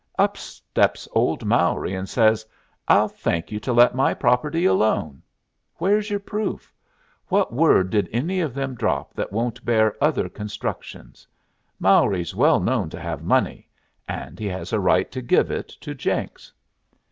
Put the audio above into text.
Up steps old Mowry and says, 'I'll thank you to let my property alone.' Where's your proof? What word did any of them drop that won't bear other constructions? Mowry's well known to have money, and he has a right to give it to Jenks."